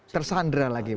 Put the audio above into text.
tersandra lagi pak